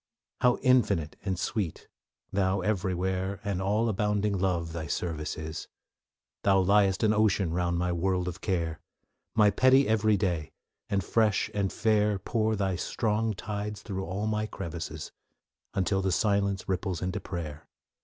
How infinite and sweet, Thou everywhere And all abounding Love, Thy service is! Thou liest an ocean round my world of care, My petty every day; and fresh and fair, Pour Thy strong tides through all my crevices, Until the silence ripples into prayer.